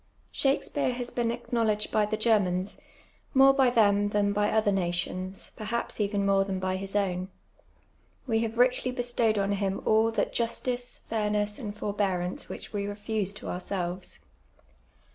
Shakspeare has been acknowledged by the Germans, more by them than by other nations, perhaps even more than by his own. We have richly bestowed on him all that justice, fairness, and forbearance which we refuse to ourselves.